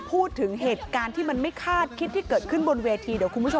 พูดถึงเหตุการณ์ที่มันไม่คาดคิดที่เกิดขึ้นบนเวที